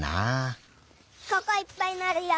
ここいっぱいなるよ。